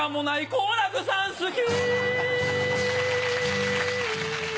好楽さん好き